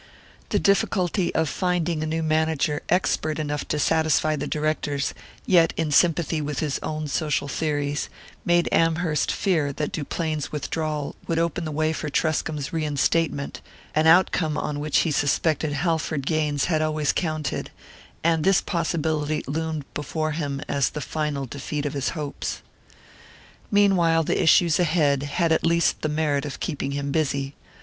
The difficulty of finding a new manager expert enough to satisfy the directors, yet in sympathy with his own social theories, made Amherst fear that Duplain's withdrawal would open the way for Truscomb's reinstatement, an outcome on which he suspected Halford Gaines had always counted; and this possibility loomed before him as the final defeat of his hopes. Meanwhile the issues ahead had at least the merit of keeping him busy.